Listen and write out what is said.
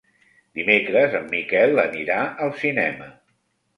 Dimecres en Miquel anirà al cinema.